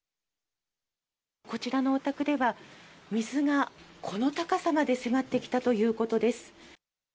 こちらのお宅では、水がこの高さまで迫ってきたということです。